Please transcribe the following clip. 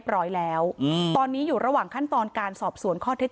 เชิงชู้สาวกับผอโรงเรียนคนนี้